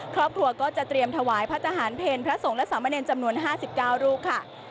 ครอบครัวก็จะเตรียมถวายพระทหารเพลพระสงฆ์และสามเณรจำนวน๕๙รูปค่ะ